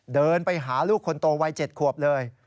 เดินไปหาลูกคนโตวัย๗ขวบเลย